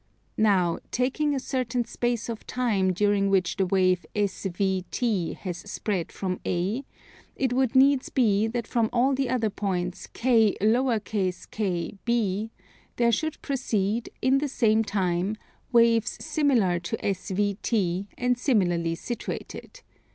Now taking a certain space of time during which the wave SVT has spread from A, it would needs be that from all the other points K_k_B there should proceed, in the same time, waves similar to SVT and similarly situated.